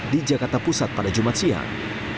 di jakarta pusat pada jumat siang